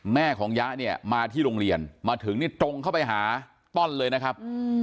แม่ของยะเนี่ยมาที่โรงเรียนมาถึงนี่ตรงเข้าไปหาต้อนเลยนะครับ